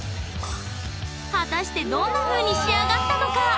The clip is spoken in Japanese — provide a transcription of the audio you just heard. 果たしてどんなふうに仕上がったのか！